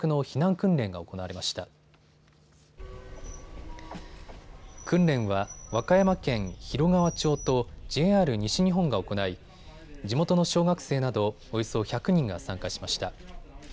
訓練は和歌山県広川町とＪＲ西日本が行い地元の小学生などおよそ１００人が参加しました。